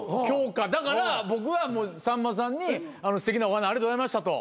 だから僕はさんまさんにすてきなお花ありがとうございましたと。